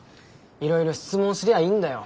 いろいろ質問すりゃいいんだよ。